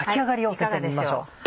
いかがでしょう。